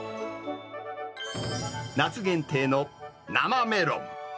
夏限定の生メロン。